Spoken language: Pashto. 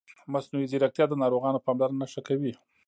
مصنوعي ځیرکتیا د ناروغانو پاملرنه ښه کوي.